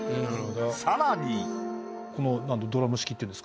さらに。